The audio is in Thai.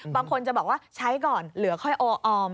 บางคนจะบอกว่าใช้ก่อนเหลือค่อยโอออม